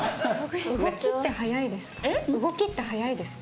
動きって速いですか？